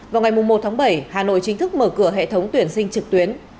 vào ngày một tháng bảy hà nội chính thức mở cửa hệ thống tuyển sinh trực tuyến